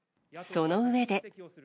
その上で。